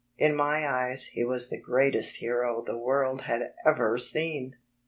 In my eyes he was the greatest hero the world had ever seen!